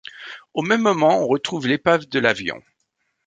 Au même moment, on retrouve l'épave de l'avion.